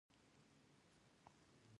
د کرکټ تمرین مهم دئ.